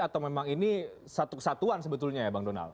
atau memang ini satu kesatuan sebetulnya ya bang donald